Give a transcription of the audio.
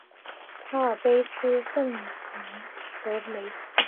阿尔卑斯圣昂德雷。